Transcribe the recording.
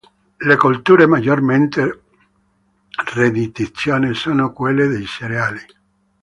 Le colture maggiormente redditizie sono quelle dei cereali.